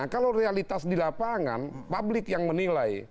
kalau realitas di lapangan publik yang menilai